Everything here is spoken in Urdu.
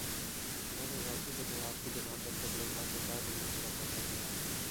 میں نے ذاتی وجوہات کی بِنا پر قبلازوقت ریٹائرمنٹ لینے کا فیصلہ کِیا ہے